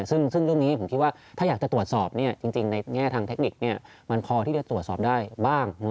ซึ่งเรื่องนี้ผมคิดว่าถ้าอยากจะตรวจสอบจริงในแง่ทางเทคนิคมันพอที่จะตรวจสอบได้บ้าง